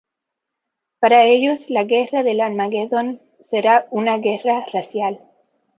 Para ellos, la guerra del Armagedón será una guerra racial.